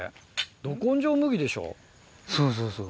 そうそうそう。